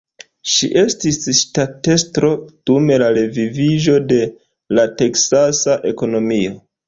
Si estis ŝtatestro dum la reviviĝo de la Teksasa ekonomio.